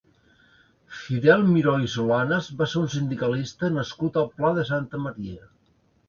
Fidel Miró i Solanes va ser un sindicalista nascut al Pla de Santa Maria.